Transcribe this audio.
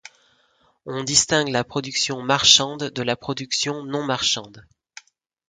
On distingue la production marchande de la production non marchande.